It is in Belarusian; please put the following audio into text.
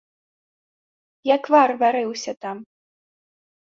Як вар варыўся там.